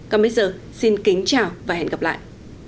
còn bây giờ xin kính chào và hẹn gặp lại